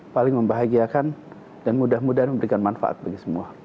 paling membahagiakan dan mudah mudahan memberikan manfaat bagi semua